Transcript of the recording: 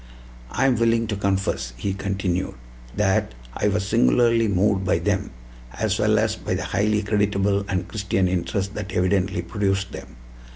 "I am willing to confess," he continued, "that I was singularly moved by them, as well as by the highly creditable and Christian interest that evidently produced them.